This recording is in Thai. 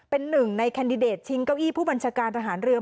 เป็นหนึ่งในแคนดิเดตชิงเก้าอี้ผู้บัญชาการทหารเรือ